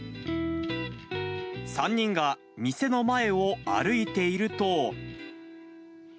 ３人が店の前を歩いていると。